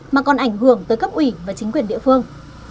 mà còn ảnh hưởng tới cấp ủy và chính quyền địa phương